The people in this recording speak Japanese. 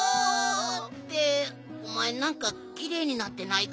っておまえなんかきれいになってないか？